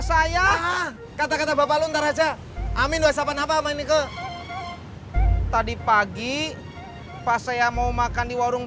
saya kata kata bapak luntar aja amin bagus apa nabar neke tadi pagi pas saya mau makan di warung